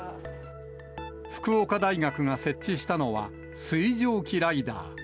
福岡大学が設置したのは、水蒸気ライダー。